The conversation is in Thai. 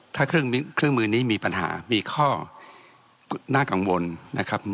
ถ้าเครื่องมือนี้มีปัญหามีข้อน่ากังวลนะครับ